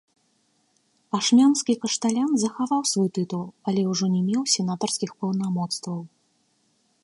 Ашмянскі кашталян захаваў свой тытул, але ўжо не меў сенатарскіх паўнамоцтваў.